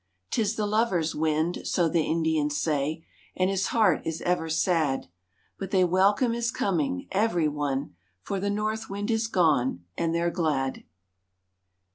'Tis the lover's wind, so the Indians say, And his heart is ever sad, But they welcome his coming, every one, For the North wind is gone and they're glad.